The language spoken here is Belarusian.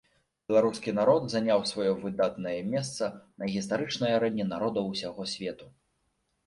Беларускі народ заняў сваё выдатнае месца на гістарычнай арэне народаў усяго свету.